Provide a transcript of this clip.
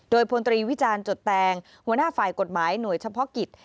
โดยพลตรีวิจารณ์จดแตงหัวหน้าฝ่ายกฎหมายหน่วยเฉพาะกิจ